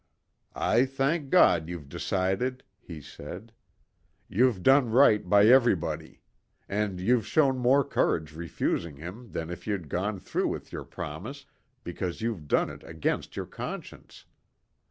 "I thank God you've decided," he said. "You've done right by everybody. And you've shown more courage refusing him than if you'd gone through with your promise, because you've done it against your conscience.